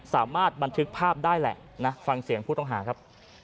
สามารถบันทึกภาพได้แหละนะฟังเสียงผู้ต้องหาครับ